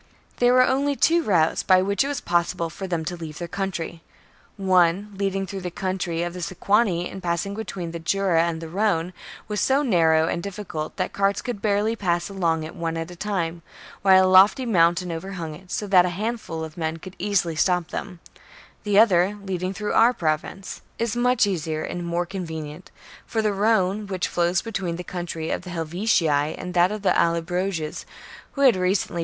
6. There were only two routes by which it was They deter •1 1 r 1 1 1 • 1 /'\ mine to possible for them to leave their country. One, march 1 1 • 1 11 / 1 o • i through the leading through the country of the Sequani, and Roman passing between the Jura and the Rhone, was so narrow and difficult that carts could barely pass along it one at a time, while a lofty mountain overhung it, so that a handful of men could easily stop them ; the other, leading through our Province, is much easier and more convenient, for the Rhone, which flows between the country of the Helvetii and that of the Allobroges, who had recently been ^ See Caesars Conquest of Gaul, p.